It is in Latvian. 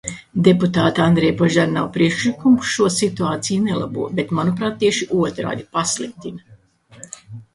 Deputāta Andreja Požarnova priekšlikums šo situāciju nelabo, bet, manuprāt, tieši otrādi, pasliktina.